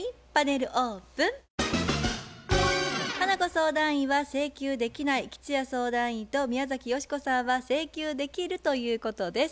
花子相談員は「請求できない」吉弥相談員と宮崎美子さんは「請求できる」ということです。